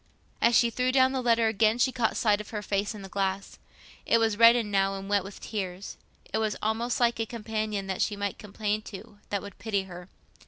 As she threw down the letter again, she caught sight of her face in the glass; it was reddened now, and wet with tears; it was almost like a companion that she might complain to—that would pity her.